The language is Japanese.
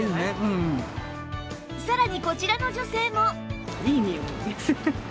さらにこちらの女性も